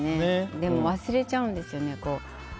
でも忘れちゃうんですよね。